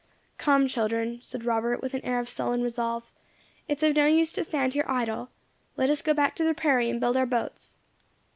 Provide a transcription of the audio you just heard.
"Come, children," said Robert, with an air of sullen resolve, "it is of no use to stand here idle. Let us go back to the prairie, and build our boats."